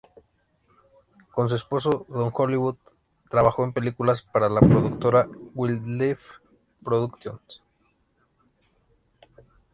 Con su esposo Don Hollywood, trabajó en películas para la productora Wildlife Productions.